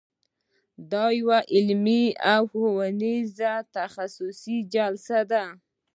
دا یوه علمي او ښوونیزه تخصصي جلسه ده.